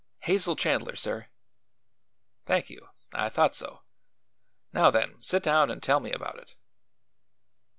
"Hazel Chandler, sir." "Thank you. I thought so. Now, then, sit down and tell me about it."